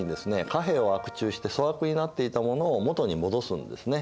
貨幣を悪鋳して粗悪になっていたものを元に戻すんですね。